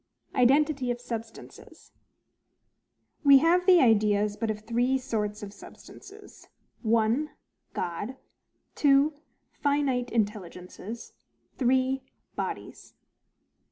Identity of Substances. We have the ideas but of three sorts of substances: 1. GOD. 2. FINITE INTELLIGENCES. 3. BODIES.